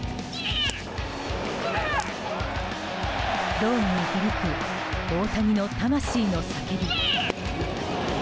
ドームに響く大谷の魂の叫び。